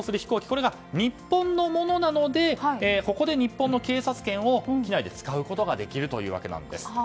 これが日本のものなのでここで日本の警察権を機内で使うことができるというわけなんです。